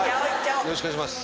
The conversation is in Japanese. よろしくお願いします。